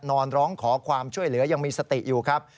ร้องขอความช่วยเหลือยังมีสติอยู่ครับ